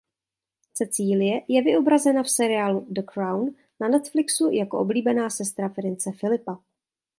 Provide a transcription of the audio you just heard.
Cecílie je vyobrazena v seriálu The Crown na Netflix jako oblíbená sestra prince Philipa.